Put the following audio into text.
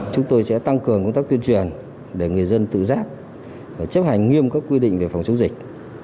chúng tôi sẽ tăng cường công tác tuyên truyền để người dân tự giác chấp hành nghiêm các quy định về phòng chống dịch